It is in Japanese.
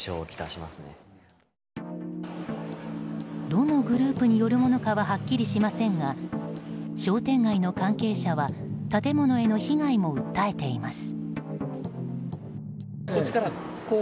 どのグループによるものかははっきりしませんが商店街の関係者は建物への被害も訴えています。